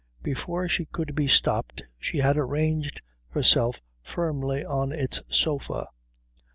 Before she could be stopped she had arranged herself firmly on its sofa.